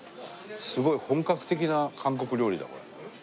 すごい本格的な韓国料理だこれ。